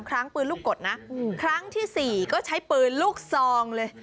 ครั้งปืนลูกกดนะครั้งที่๔ก็ใช้ปืนลูกซองเลย